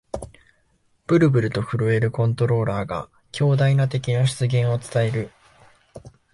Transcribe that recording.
ブルブルと震えるコントローラーが、強大な敵の出現を伝える